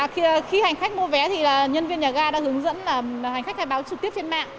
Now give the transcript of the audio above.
khi hành khách mua vé nhân viên nhà ga đã hướng dẫn hành khách khai báo trực tiếp trên mạng